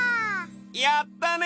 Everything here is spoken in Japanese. やったね！